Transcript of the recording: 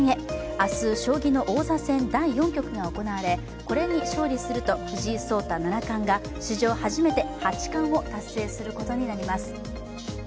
明日将棋の王座戦第４局が行われ、これに勝利すると藤井聡太七冠が史上初めて八冠を達成することになります。